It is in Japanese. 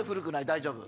大丈夫！